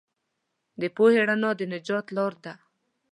د پوهې رڼا د نجات لار ده.